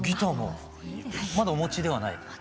まだお持ちではない？